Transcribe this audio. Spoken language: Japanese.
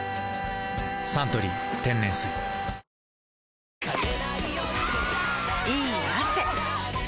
「サントリー天然水」いい汗。